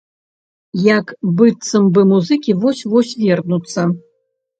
Як быццам бы музыкі вось-вось вернуцца.